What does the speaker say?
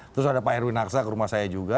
terus ada pak erwin aksa ke rumah saya juga